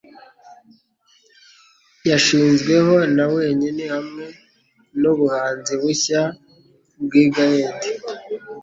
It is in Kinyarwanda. Yashizweho na wenyine hamwe nubuhanzi bushya-bwigaèd;